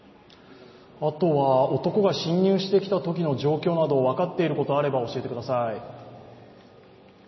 男が侵入してきたときの状況など、分かっていることがあれば教えてください。